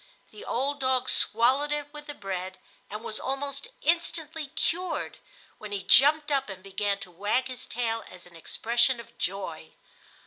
The old dog swallowed it with the bread and was almost instantly cured, when he jumped up and began to wag his tail as an expression of joy.